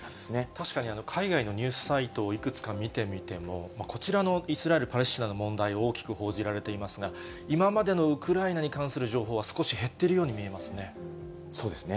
確かに、海外のニュースサイトをいくつか見てみても、こちらのイスラエル・パレスチナの問題を大きく報じられていますが、今までのウクライナに関する情報は、少し減ってるように見えそうですね。